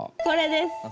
これです。